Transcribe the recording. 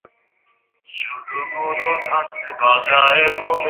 পৃথিবীতে যা সব চেয়ে বড়ো তার এতই অনাদর?